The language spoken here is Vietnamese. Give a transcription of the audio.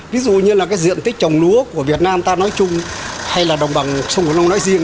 ví dụ như là cái diện tích trồng lúa của việt nam ta nói chung hay là đồng bằng sông cổ long nói riêng